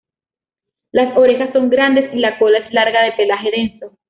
Las orejas son grandes y la cola es larga de pelaje denso.